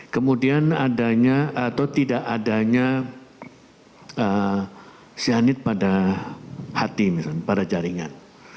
kemudian adanya atau tidak adanya cyanide pada hati misalnya pada jaringan